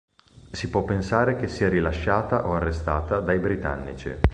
Si può pensare che sia rilasciata o arrestata dai britannici.